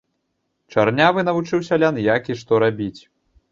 Чарнявы навучыў сялян, як і што рабіць.